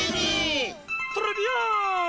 トレビアーン！